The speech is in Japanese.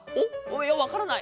いやわからない。